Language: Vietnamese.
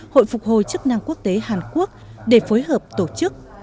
hội phục hồi chức năng quốc tế hàn quốc để phối hợp tổ chức